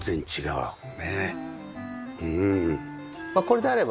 うん。